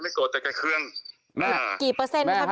พี่หนุ่ม